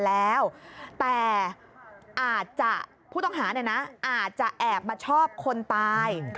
แต่ผู้ต้องหาอาจจะแอบมาชอบคนตาย